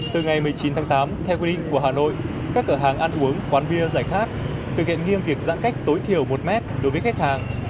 từ ngày một mươi chín tháng tám theo quy định của hà nội các cửa hàng ăn uống quán bia giải khát thực hiện nghiêm việc giãn cách tối thiểu một mét đối với khách hàng